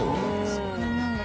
そうなんだ